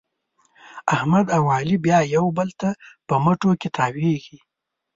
احمد او علي بیا یو بل ته په مټو کې تاوېږي.